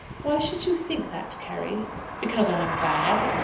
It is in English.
"Why should you think that, Carry?" "Because I am bad."